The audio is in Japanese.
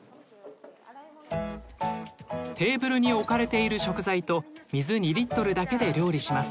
テーブルに置かれている食材と水２リットルだけで料理します。